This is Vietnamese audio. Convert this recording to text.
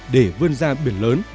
để vươn ra biển lớn